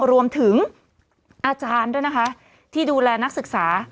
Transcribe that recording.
รวมถึงอาจารย์ด้วยนะคะที่ดูแลนักศึกษา